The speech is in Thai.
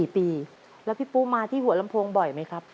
๔ปีแล้วพี่ปูมาที่หัวลำโพงบ่อยไหมครับ